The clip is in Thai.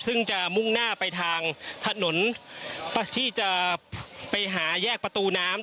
ซึ่งจะมุ่งหน้าไปทางถนนที่จะไปหาแยกประตูน้ำ